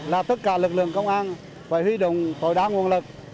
là tất cả lực lượng công an phải huy động tội đáng nguồn lực